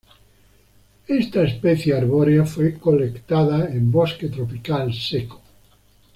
Esta especie arbórea fue colectada en bosque tropical seco.